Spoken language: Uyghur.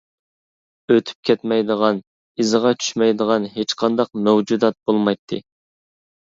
ئۆتۈپ كەتمەيدىغان، ئىزىغا چۈشمەيدىغان ھېچقانداق مەۋجۇدات بولمايتتى.